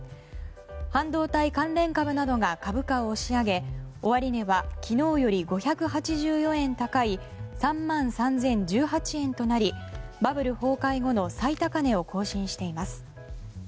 半導体関連株などが株価を押し上げ終値は昨日より５８４円高い３万３０１８円となりバブル崩壊後の最高値を更新しています。